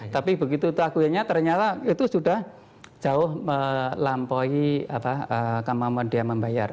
tapi begitu takutnya ternyata itu sudah jauh melampaui kemampuan dia membayar